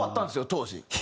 当時。